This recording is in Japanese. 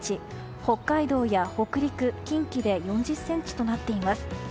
北海道や北陸、近畿で４０ｃｍとなっています。